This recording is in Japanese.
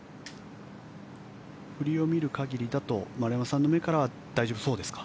振りを見る限りだと丸山さんの目からは大丈夫そうですか。